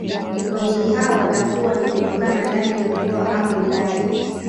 Wageni hao watakuwa ni kutokana ndani ya mkoa ama wilaya